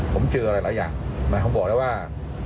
ผมเจอหลายอย่างหมายความบอกแล้วว่า